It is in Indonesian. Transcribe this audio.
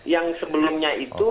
yang sebelumnya itu